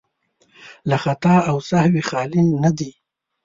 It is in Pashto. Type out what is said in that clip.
له خطا او سهوی خالي نه دي.